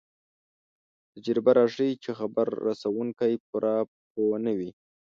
تجربه راښيي چې خبر رسوونکی پوره پوه نه وي.